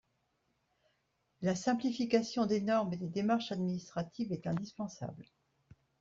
La simplification des normes et des démarches administratives est indispensable.